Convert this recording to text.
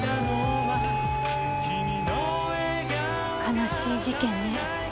悲しい事件ね。